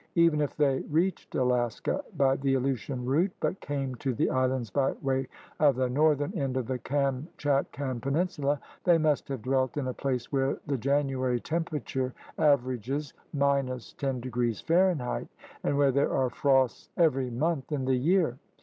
Even if they reached Alaska by the Aleutian route but came to the islands by way of the northern end of the Kam chatkan Peninsula, they must have dwelt in a place where the January temperature averages — 10° F. and where there are frosts every month in the year.